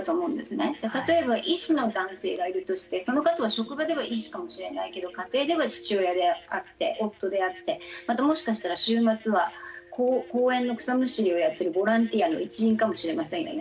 例えば医師の男性がいるとしてその方は職場では医師かもしれないけど家庭では父親であって夫であってまたもしかしたら週末は公園の草むしりをやっているボランティアの一員かもしれませんよね。